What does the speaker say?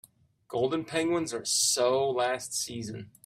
Golden penguins are so last season.